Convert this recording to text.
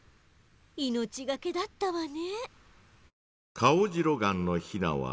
命がけだったわね。